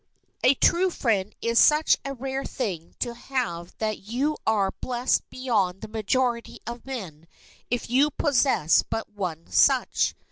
A true friend is such a rare thing to have that you are blessed beyond the majority of men if you possess but one such.